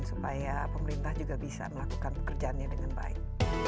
supaya pemerintah juga bisa melakukan pekerjaannya dengan baik